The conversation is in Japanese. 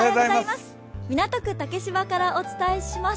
港区竹芝からお伝えします。